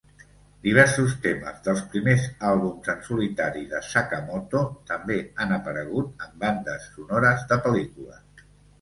Diversos temes dels primers àlbums en solitari de Sakamoto també han aparegut en bandes sonores de pel·lícules.